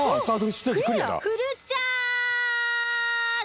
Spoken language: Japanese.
フルチャージ！